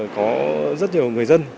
có rất nhiều người dân